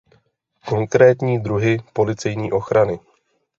Konkrétní druhy policejní ochrany.